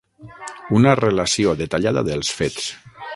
Una relació detallada dels fets.